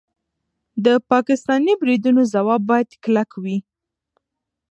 د پاکستاني بریدونو ځواب باید کلک وي.